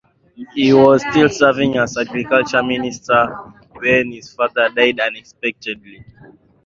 He was still serving as agriculture minister when his father died unexpectedly.